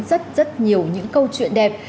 rất rất nhiều những câu chuyện đẹp